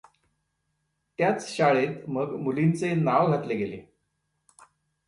त्याच शाळेत मग मुलींचे नाव घातले गेले.